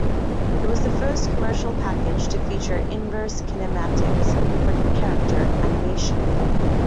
It was the first commercial package to feature Inverse kinematics for character animation.